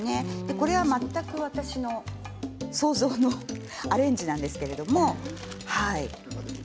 これは全く、私の想像のアレンジなんですけど。